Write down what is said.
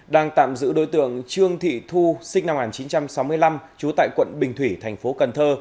đang tạm giữ đối tượng trương thị thu sinh năm một nghìn chín trăm sáu mươi năm trú tại quận bình thủy thành phố cần thơ